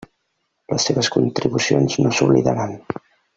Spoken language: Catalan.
Les seves contribucions no s'oblidaran.